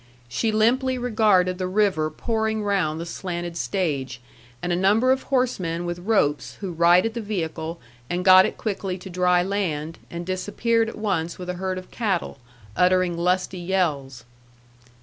She limply regarded the river pouring round the slanted stage, and a number of horsemen with ropes, who righted the vehicle, and got it quickly to dry land, and disappeared at once with a herd of cattle, uttering lusty yells.